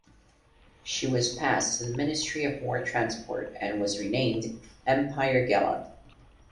She was passed to the Ministry of War Transport and was renamed "Empire Gallop".